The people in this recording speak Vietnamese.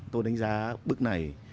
tôi đánh giá bức này